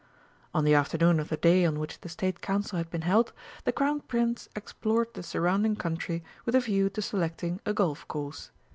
On the afternoon of the day on which the State Council had been held, the Crown Prince explored the surrounding country with a view to selecting a golf course.